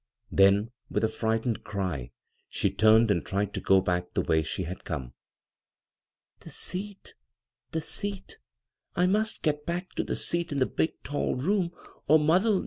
Then, with a frightened cry she turned and tried to go back by the way ^le had come. " The seat, the seat I I must get back to the seat in the big tall room, cm* mother'!!